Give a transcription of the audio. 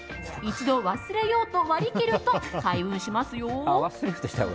一度忘れようと割り切ると開運しますよ。